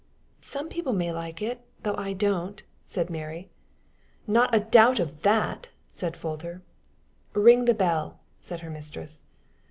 "Some people may like it, though I don't," said Mary. "Not a doubt of that!" said Folter. "Ring the bell," said her mistress.